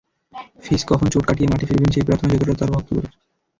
ফিজ কখন চোট কাটিয়ে মাঠে ফিরবেন সেই প্রার্থনা যতটা তাঁর ভক্তকুলের।